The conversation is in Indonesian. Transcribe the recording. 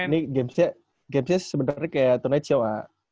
ini gamesnya sebenernya kayak tonet show lah